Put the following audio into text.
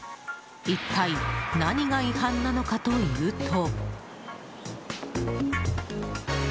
一体、何が違反なのかというと。